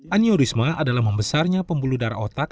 aniorisma adalah membesarnya pembuluh darah otak